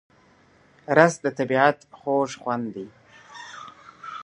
رس د طبیعت خوږ خوند لري